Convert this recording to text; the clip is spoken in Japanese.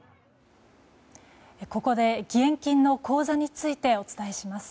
ここで義援金の口座についてお伝えします。